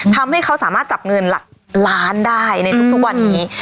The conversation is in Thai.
ทำให้เขาสามารถจับเงินหลักล้านได้ในทุกวันนี้